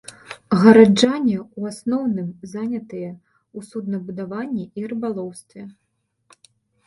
Гараджане ў асноўным занятыя ў суднабудаванні і рыбалоўстве.